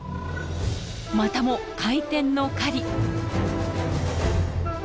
またも回転の狩り！